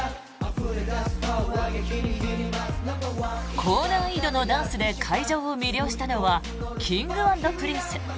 高難易度のダンスで会場を魅了したのはＫｉｎｇ＆Ｐｒｉｎｃｅ。